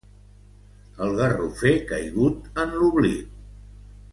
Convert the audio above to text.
El garrofer caigut en l'oblit.